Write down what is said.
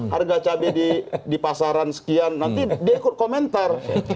harga cabai di pasaran sekian nanti diikut komentar